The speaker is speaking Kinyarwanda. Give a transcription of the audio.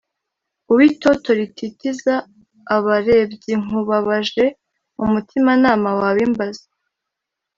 uwitoto rititiza abarebyinkubabaje umutimanama wabimbaza